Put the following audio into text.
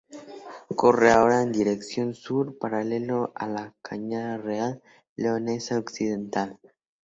Corre ahora en dirección sur paralelo a la Cañada Real Leonesa Occidental.